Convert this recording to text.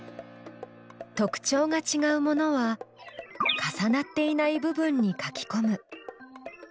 特徴がちがうものは重なっていない部分に書きこむ。